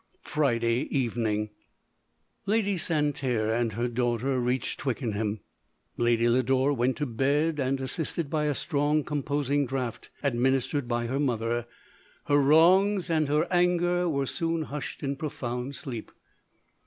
" Friday Evening" Lady Santerre and her daughter reached Twickenham. Lady Lodore went to bed, and assisted by a strong composing draught, ad ministered by her mother, her wrongs and her 168 LODORE. anger were soon hushed in profound sleep.